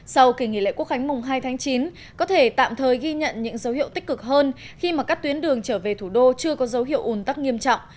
sau kỳ nghỉ lễ quốc khánh mùng hai tháng chín có thể tạm thời ghi nhận những dấu hiệu tích cực hơn khi mà các tuyến đường trở về thủ đô chưa có dấu hiệu ủn tắc nghiêm trọng